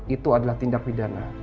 itu adalah tindak pidana